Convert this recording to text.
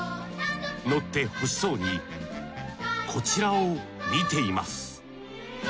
乗ってほしそうにこちらを見ています。